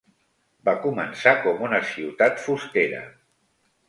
Va començar com una ciutat fustera.